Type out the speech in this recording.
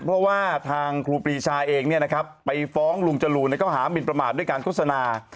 เพราะว่าทางครูปรีชาเองไปฟ้องลุงจรูนในข้อหามินประมาทด้วยการโฆษณา